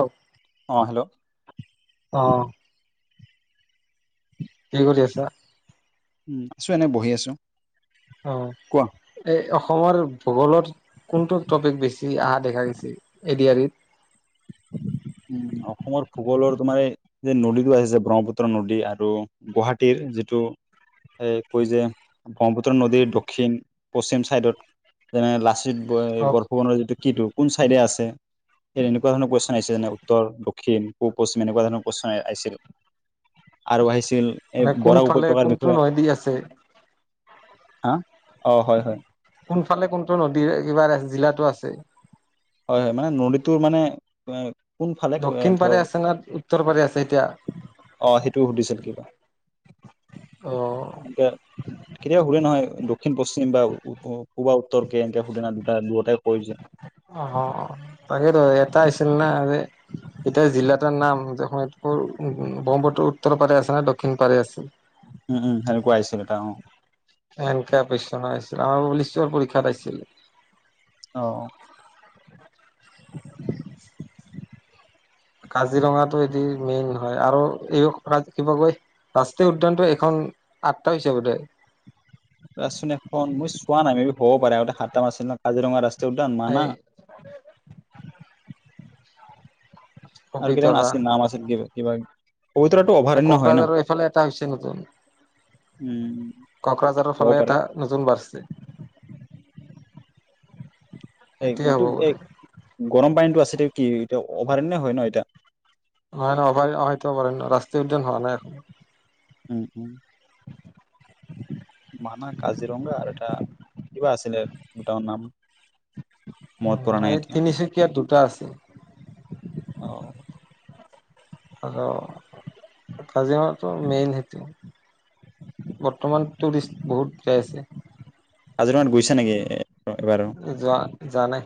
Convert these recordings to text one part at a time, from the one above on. অ। অ হেল্ল'। অ। কি কৰি আছা? উম, আছো এনেই বহি আছো। অ, কোৱা এই অসমৰ ভূগোলৰ। কোনটো টপিক বেছি আহা দেখাইছি এ ডি আ ৰিত? অসমৰ ভূগোলৰ তোমাৰ এই-এই নদীটো আহিছে ব্ৰহ্মপুত্ৰ নদী আৰু গুৱাহাটীৰ যিটো কৈ যে ব্ৰহ্মপুত্ৰ নদীৰ দক্ষিণ পশ্চিম চাইদত যেনে লাচিত এই অ বৰফুকনৰ এইটো কিটো, কোন চাইডে আছে সেই তেনেকুৱা ধৰণৰ কুৱেচন আহিছে যেনে দক্ষিণ পূব পশ্চিম এনেকুৱা ধৰণৰ কুইচন আহিছিল আৰু আহিছিল এই মানে বৰাক কোনফালে উপত্যকাৰ কোনটো বিষয়ে নদী আছে? হা। অ হয় হয় কোনফালে কোনটো নদীৰ কিবা জিলাতো আছে। ছে। হয় মানে নদীটো মানে কোনফালে এ দক্ষিণ ধৰ পাৰে আছে না উত্তৰ পাৰে আছে এতিয়া? অ' সেইটোও সুধিছিল কিবা। অ এ কেতিয়াবা সুধে নহয় দুখ। দক্ষিণ পশ্চিম বা পূৰ্বা উত্তৰকে এনেকে সুধেনা দুটা দুয়োটাই কৈ যে। অ', তাকেইটো। এটা আইছিল না আজি এতিয়া জিলা তাৰ নাম যে শোণিতপুৰ ব্ৰহ্মপুত্ৰৰ উত্তৰ পাৰে আছে না দক্ষিণ পাৰে আছিল? উম উম সেনেকুৱা আহছিল এটা অ এনকেপচছিল আমাৰৰ পৰীক্ষাতাইছিল [unintelligible] অ, [unintelligible] কাজিৰঙাটো এতে মেইন হয়, আৰু এই কিবা কয় ৰাষ্ট্ৰীয় উদ্যানটো এখন আঠটা হৈছে বোধয়! ৰাচোন এখন মই চোৱা নাই মে-বি হ'ব পাৰে, আগতে সাতাম আছিল ন কাজিৰঙা ৰাচ চোদন ম এই না আৰু কটমান আছে নাম আছেছিল কি কিবা পবিতৰাটো এ অভয়াৰণ্য হয় ন কোকৰাঝাৰৰ এইফালে এটা হৈছে নতুন উম ককৰাঝাৰৰ হ'ব ফালে পাৰে এটা নতুন বাঢ়ছে ৷ এই সেইটোৱে হ'ব যিটো এ বোধে গৰম পানী আছেটো কি এতিয়া অভাৰণ্যে হয় ন এটা? ন ন অভৰায়-সেইটো অভায়ৰন্য, ৰাষ্ট্ৰীয় উদ্যান হোৱা নাই একো উম উম মানাহ, কাজিৰঙা আৰু এটা, কিবা আছিলে দুটা নাম উ মনত পৰা নাই এই এতিয়া তিনিচুকীয়াত দুটা আছে অ' ৰ কাজিৰঙাটো মেইন সেইটো বৰ্তমান টুৰিষ্ট বহুত যাই আছে ৷ আজিৰঙাত গৈছা নেকি? এবাৰ যোৱা, জানে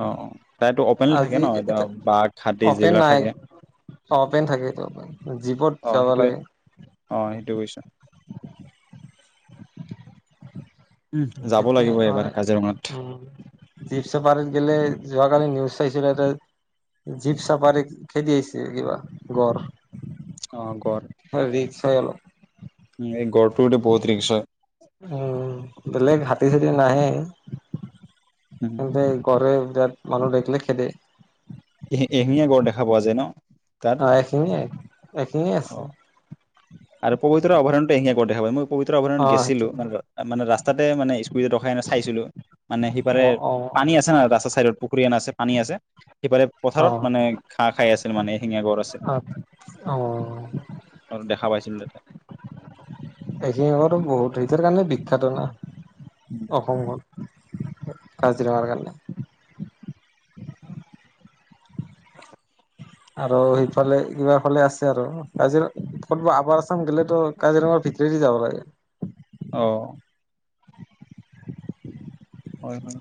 অ অ তাইতো অপেনলি থাকে আজি ন এতিয়া এতে বাঘ হাতী অপেন যিবিলাক নাই, থাকে অ' অপেন থাকে এইটো। জীপত যাব লাগে এ পইছা [unintelligible] এইবাৰ কাজিৰঙাত কালি নিউজ চাইছিল এটা জীপ চাফাৰী খেদি আহিছে কিবা গড় ৷ অ গড় ৷ খেলো [unintelligible] উ এই গড়টো বহুত ৰিকচ হয়৷ উম, বেলেগ হাতী-চাতি নাহে। তেন্ত উম ঘৰে শুই থাক মানুহ দেখিলে খেদে ৷ এখিঙি -এশিঙীয়া গঁড় দেখা পোৱা যায় ন? তাত অ' এশিঙীয়াই, এশিঙীয়া অ আছে। আৰু পবিত্ৰ অভয়াৰণ্যতো এশিঙীয়া গঁড় দেখা পায়, মই পবিতৰা অ অভয়াৰণ্যত গেছিলো, সেইটো মানে-মানে ৰাস্তাতে মানে স্কুলত ৰখাইনে চাইছিলো! মানে সিপাৰে অ অ পানী আছে ন ৰাস্তাৰ চাইডত পুখুৰী হেন আছে আনি আছে সিফালে অ পথাৰত মানে ঘাঁহ খাই আছিল মানে শিঙা গড় আছে আৰু দেখা পাইছো এইখিন বহুত সেই কাৰণে। খাদনা অসমত কাজিৰঙাৰ গলা আৰু সেইফালে কিবা ফালে আছে আৰু ক'ত আপাৰৰ আছাম গলে টো কাজিৰঙাৰ ভিতৰদি যাব লাগে। অ [unintelligible] হয় হয়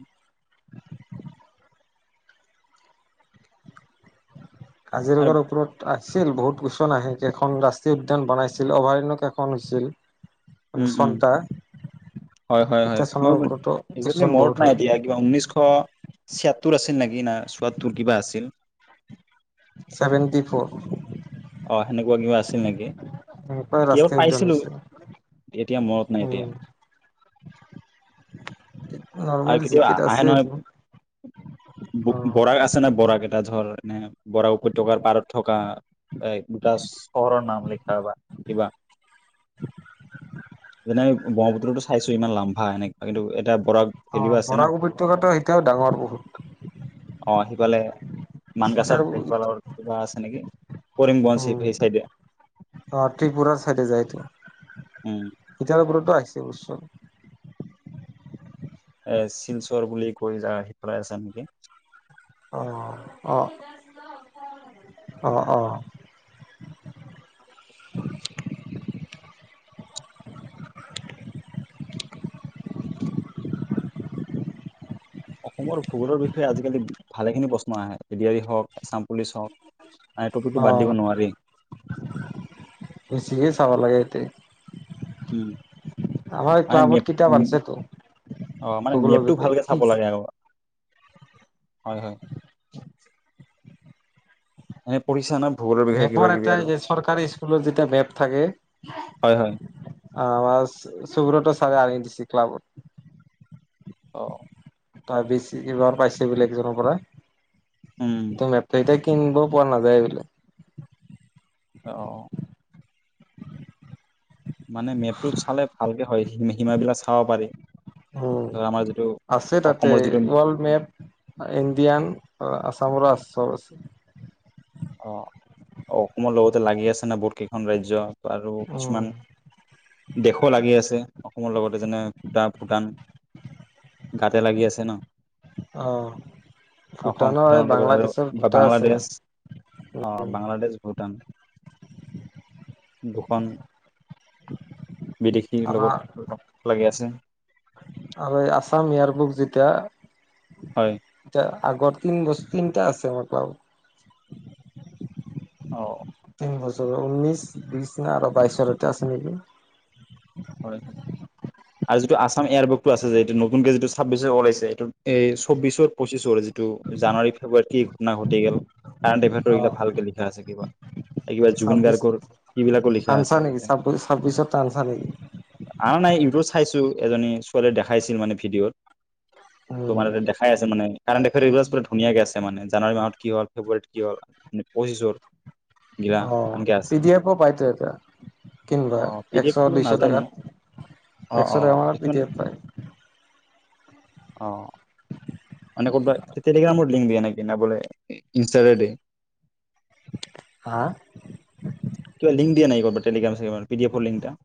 আৰু কাজিৰঙাৰ ওপৰত আহ আছিল বহুত গোচন আহে কেইখন ৰাষ্ট্ৰীয় উদ্যান বনাইছিল অভয়াৰণ্য কেইখন হৈছিল। মানে উম উম চনটা হয় হয় হয় এতিয়া চনৰ মই ওপৰতো কুৱেশ্যন মনত বহুত নাই হয়। এতিয়া কিবা উনৈশ ছিয়াত্তৰ আছিল নেকি না চয়ত্তৰ কিবা আছিল। ছেভেণ্টি ফ'ৰ অ সেনেকুৱা কিবা আছিল নেকি এনেকুৱাই কিহত ৰাষ্ট্ৰীয় উদ্যান পাইছিলো হৈছে। এতিয়া মনত নাই দিয়া। উম, আৰু নৰ্মেল কেতিয়াবা জিকেত আহে আছে নহয় এইটো অ'। বৰাক আছে ন বৰাক এটা ধৰ মানে বৰা উপত্যকাৰ পাৰত থকা এ দুটা চহৰৰ নাম লিখা বা কিবা যেনে ব্ৰহ্মপুত্ৰতো চাইছো ইমান লাম্ভা এনেকুৱা কিন্তু এটা বৰা অ বৰাক উপত্যকাটো এতিয়াও ডাঙৰ বহুত। বালে মান ইটাৰ গাছৰ পহিপালৰ কিবা আছে নেকি কৰিমগঞ্জ উ সেই চাইডে আহ ত্ৰিপুৰাৰ চাইডে যায়টো এতিয়া উম ইয়াৰ ওপৰত আহিছে বস্তুটো। এ শিলচৰ বুলি কৈ যা সিফেলাই আছো নেকি? অঁ অ অ অঁ অসমৰ ভূগোলৰ বিষয়ে আজিকালি ভালেখিনি প্ৰশ্ন আহে এ ডি আৰৰি হওক এছাম পুলিচ হওক। মানে টপিকটো অ বাদ দিব নোৱাৰি বেছিহে চাব লাগে তাতে। উম মানে ক্লাবত মেপ কিতাপ উ আনিছেতো অ মানে ভূগোলৰ মেপটো বিষয়ে ভালকে কি চাব লাগে আৰু। হয় হয় এ পৰিচা ন। মেপৰ এটাই যে চৰকাৰী স্কুলৰ যেতিয়া মেপ থাকে হয় হয় । অহ সুবোৰতৰ চব আনি দিছে ক্লাবত। অ তই বিছ এইবাৰ পাইছে বেলেগ এজনৰ পৰা উম তম মেপ্ত থাক কিনিব পৰা নাযায় এই বোলে অ মানে মেপটোত চালে ভালকে হয় সীমাবিলাক চাব পাৰি ধৰা আমাৰ যিটো আছে তাতে অসমৰ যিটো ৱৰ্ল্ড মেপ ইণ্ডিয়ান আছামৰ আছে। চব আছে। অ অ অসমৰ লগতে লাগি আছে ন বহুত কেইখন ৰাজ্য। আৰু উম, কিছুমান দেশও লাগি আছে অসমৰ লগতে যেনে ভূটান। গাতে লাগি আছে ন অ অসম ভূটানৰ এই লগত আৰু বাংলাদেশৰ বা দুটা আছে ন। বাংলাদেশ অ বাংলাদেশ ভূ ভূটান দুখন বিদেশীৰ লগত লাগি আছে। আৰুঐ আছাম ইয়াৰবুক যেতিয়া হয়। আগত তিন বস্তু তিনিটা আছে আৰু। অ ঊনৈনশ বিশ ন আৰু বাইশৰ এটা আছে নেকি? হয় আৰু যিটো আছাম এয়াৰবুকতটো আছে যে এইটো নতুন যি চাব্বিছ ল আছে এইটো। এই চৌবিশৰ পঁচিছৰ যিটো জানুৱাৰী ফেব্ৰুৱাৰীত কি ঘটনা ঘটি গল কাৰেণ্ট এফেয়াৰৰ এইবিলাক ভালকে লিখা আছে কিবা। কিবা জুবিন ছাব্বিশ গাৰ্গৰ এইবিলাকো লিখা আছে ঞ্চা নেকি ইয়াতে ছাব্বিশত আনছা নেকি? উ আৰু নাই নিউজট চাইছোঁ এজনী ছোৱালীয়ে দেখাইছিল মানে ভিডিঅ'ত। উম তোমাৰ তাতে দেখাই আছে মানে কাৰণ দেখুৱাই পুৰা ধুনীয়াকে আছে মানে জানুৱাৰী মাহত কি হ'ল ফেব্ৰুৱাৰীত কি হ'ল পঁচিছৰ গিলা অ আনকে পি আছে ডি এফও পাইতো এতিয়া কিনবা পি ডি একশ, এফটো দুই শ এশ নাজানো টকাত কিছুমান ফ্ৰী এপ পায়। অ মানে টেলিগ্ৰামৰ লিংক দিয়া নেকি ন ইনষ্টাগ্ৰাম। হা কিবা লিংক দিয়া নাই ক। বেলিগ্ৰছে পি এফৰ লিং এটা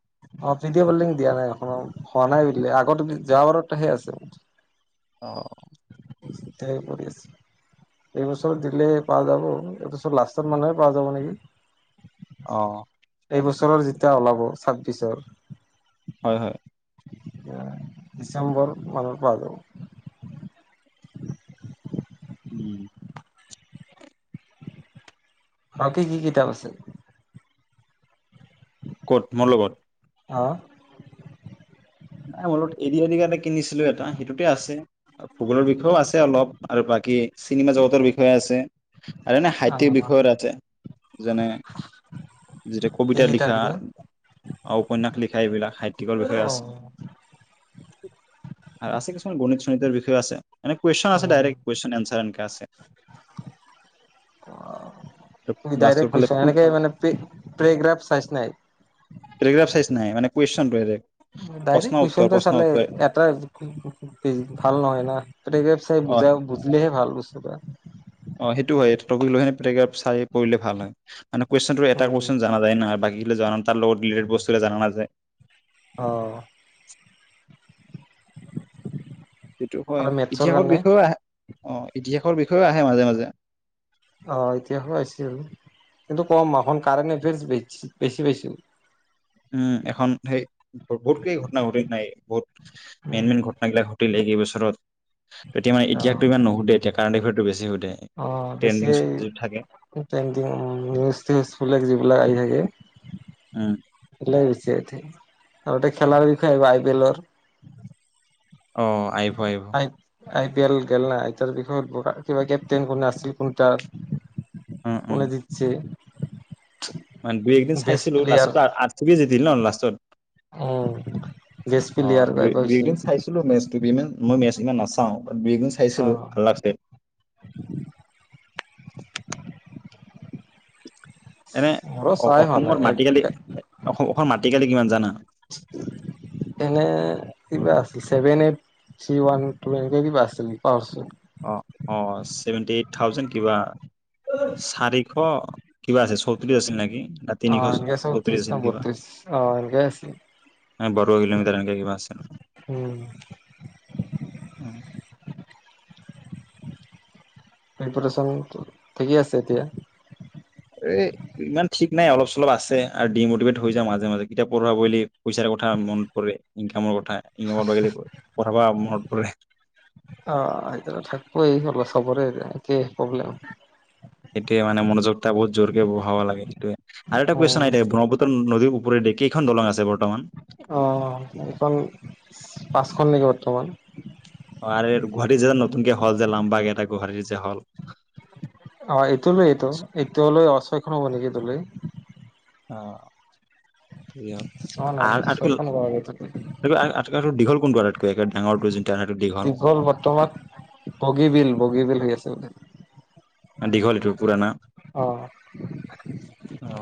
অ ভিডিঅ' কলিং দিয়া নাই হোৱা নাই বে আগ যোৱাবাৰত সে আছে। অ পৰি আছে এইবছৰ দিলে পোৱা যাব এইবছৰ লাষ্টত মানুহে পোৱা যাব নেকি অ এই বছৰৰ যেতিয়া ওলাব ছাব্বিছৰ। হয় হয় আ ডিচেম্বৰ মানৰ পৰা আৰু উম আউ কি কি কিতাপ আছে? কত মোৰ লগত? হা নাই অলপ এ ডি আৰ ই এটা কিনিছিলো এটা সেইটোতে আছে ভূগোলৰ বিষয়েও আছে অলপ আৰু বাকী চিনিমা জগতৰ বিষয়ে আছে আৰু এনে সাহিত্যিক অ বিষয়ৰ আছে যেনে যেতিয়া কবিতা এই লিখা তাৰপিছত অ উপন্যাস লিখা এইবিলাক সাহিত্যিকৰ বিষয়ে অ আছে৷ আছে কিছুমান গণিত চণীতৰ বিষয়ে আছে ৷ উম, আছে অ, লাষ্টৰ ডাইৰেক্ট ফালে কুৱেচন ফুল এনেকে মানে প্ৰে প্ৰেগ্ৰাফ চাইছে নে? প্ৰেগ্ৰাফ চাইছানে নাই মানে কুৱেশ্যনটোৰ ৰে ডাইৰেক্ট কুৱেশ্যনটো চালে এটা ভাল নহয় ন গতিকে অ বুজাম বুজিলেহে ভাল বস্তু পৰা অ সেটো হয় সেটো টপিক লৈহে প্ৰেগ্ৰাফ চাই কৰিলে ভাল হয় মানে কুৱেশ্যনটো এটা উম কুৱেশ্যন জনা যায় না বাকী জ তাৰ লগতটেড বস্তু জানা না যে অঁ সেইটো হয় আৰু মেথছৰ ইতিহাসৰ কাৰণে বিষয়েও আহ অ ইতিহাসৰ বিষয়ে আহে মাজে মাজে ৷ অ এতিয়া হৈ আছিল কিন্তু কম এখন কাৰেণ্ট এড্ৰেছ বে বেছি পাইছো৷ উম এখন সেই বহুত কেই ঘটনা ঘটিল নাই বহুত মেইন উম মেইন ঘটনাগিলা ঘটিল সেই কি বছ ওচৰত [unintelligible] তেতিয়া মানে অ এতিয়াটো ইমান নু সুদে এতিয়া কাৰেণ্টএফেয়াৰটো বেছি সু অ বেছিয়ে ট্ৰেণ্ডিং নিউজ তিউজ বিলাক যিবিলাক আহি থাকে, উম হৈছে তে আৰু খেলাৰ বিষয় আহিব আই পি এলৰ, অ আহি আহিব [unintelligible] আই আই পি এল গেল না আই পি এল বিষয়ে সুধবা কিবা কেপ্টেইন কোন আছিল কোন তা উম উম কোনে জিক্‌ছে? মানে দুই এদিন চাইছিলো লাষ্টতো আ [unintelligible] দিল ন লাষ্টত৷ উ গেছ অ পিলাৰ গ দুই দুই গৈছিল একদিন চাইছিলো মেচটো ইমান মই মেচ ইমান নাচাওঁ ৷ ব বিগুন চাইছিলো আল্লাহ [unintelligible] এনে মৰ' অ চাই হোৱা অসমৰ নাই এক, মাটিকালি অসম অসমৰ মাটিকালি কিমান জানা এনে কিবা আছে ছেভেন, এইত, থ্ৰী, ওৱান, টো এনেকে কিবা আছিল পাহৰসু অ' অ' ছেভেণ্টি-এইট থাউজেণ্ড কিবা, চাৰিশ কিবা আছে চৌত্ৰিশ আছিল নেকি? ন অ তিনিশ এনেকে টোটেল চৌত্ৰিশ ন আছিল কিবা বত্ৰিশ অ এনেকে আছিল বাৰ কিলোমিটাৰ এনেকে কিবা আছিল। উম অ প্ৰিপেৰেচনটো ঠিকেই আছে এতিয়া এ ইমান ঠিক নাই অলপ-চলপ আছে। আৰু ডিমটিভেট হৈ যাওঁ মাজে মাজে কিতাপ পঢ়াবই লাগিব পইচাৰ কথা মনত পৰে। ইনকামৰ ত বাগ কথা [unintelligible] তাৰপৰে [unintelligible] অ' হিটো থাকবই চবৰে এ-একেই। প্ৰব্লেম এতিয়া মানে মনোযোগতা বহুত জোৰকে বঢ়াব লাগে সেইটোৱে। আৰু এটা অ কুৱেচন আহি থাকে ব্ৰহ্মপুত্ৰ নদীৰ ওপৰেদি কেইখন দলং আছে বৰ্তমান? অ এইখন, পাঁচখন নেকি বৰ্তমান? অ' আৰু এইটো গুৱাহাটীত যে এতিয়া নতুনকে হ'ল যে লাম্বাগ এটা গুৱাহাটীত অ এইটো হ ল এইটো এটো হল অ তখো ব নিকে দলৈেই অ যি হওক হোৱা নাই আৰু আটাইতকৈ ছয়খন গ থাকি আটাইতকৈ দীঘল কোনটো আটাইতকৈ একে ডাঙৰটো যোনটো আটাইতকৈ দীঘল বৰ্তমান বগীবল-বগীবল হৈ আছে বোলে। অ' দীঘল এইটো পুৰণা, অ অ'